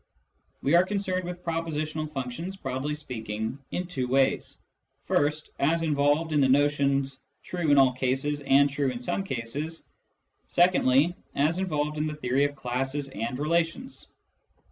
We are concerned with propositional functions, broadly speaking, in two ways : first, as involved in the notions " true in all cases " and " true in some cases "; secondly, as involved in the theory of classes and relations.